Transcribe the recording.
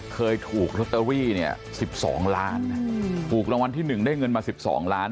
เคยถูกลอตเตอรี่เนี่ย๑๒ล้านถูกรางวัลที่๑ได้เงินมา๑๒ล้าน